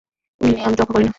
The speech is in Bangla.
উইল নিয়ে আমি তোয়াক্কা করি না।